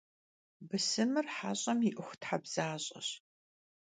Bısımır heş'em yi 'Uexuthebzaş'eş.